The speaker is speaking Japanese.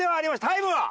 タイムは？